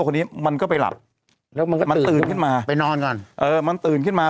คนนี้มันก็ไปหลับแล้วมันก็มันตื่นขึ้นมาไปนอนก่อนเออมันตื่นขึ้นมา